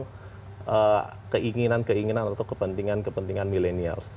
untuk keinginan keinginan atau kepentingan kepentingan milenial